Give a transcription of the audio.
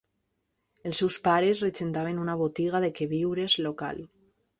Els seus pares regentaven una botiga de queviures local.